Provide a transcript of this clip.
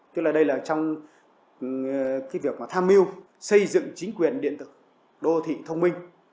tức là đây là trong việc tham mưu xây dựng chính quyền điện tực đô thị thông minh